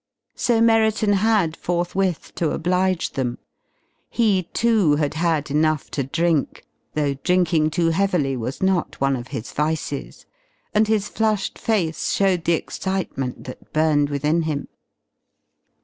So Merriton had forthwith to oblige them. He, too, had had enough to drink though drinking too heavily was not one of his vices and his flushed face showed the excitement that burned within him.